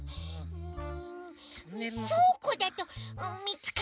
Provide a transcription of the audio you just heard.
うん。